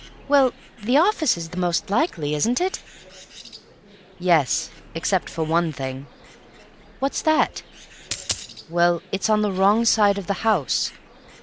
"Well, the office is the most likely, isn't it?" "Yes. Except for one thing." "What's that?" "Well, it's on the wrong side of the house.